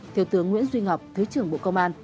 thiếu tướng nguyễn duy ngọc thứ trưởng bộ công an